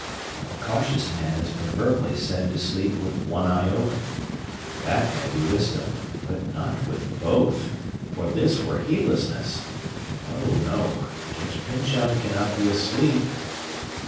A cautious man is proverbially said to sleep with one eye open. That may be wisdom. But not with both; for this were heedlessness! No, no! Judge Pyncheon cannot be asleep.